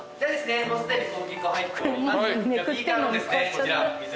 こちら水。